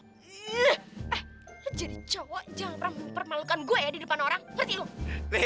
eh jadi cowok jangan pernah mempermalukan gue ya di depan orang berarti lu